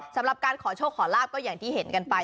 สำหรับการขอโชคขอลาบก็อย่างที่เห็นกันไป